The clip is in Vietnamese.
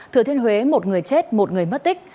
thừa thiên huế một người chết một người mất tích